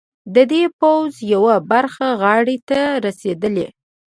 د دې پوځ یوه برخه غاړې ته رسېدلي.